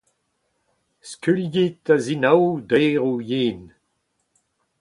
Skuilhit a-zinaou daeroù yen.